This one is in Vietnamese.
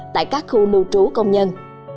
tại các khu lưu trú công nhân